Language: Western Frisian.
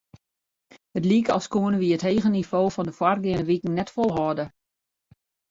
It like as koene wy it hege nivo fan de foargeande wiken net folhâlde.